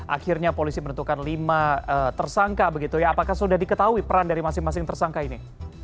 akhirnya polisi menentukan lima tersangka begitu ya apakah sudah diketahui peran dari masing masing tersangka ini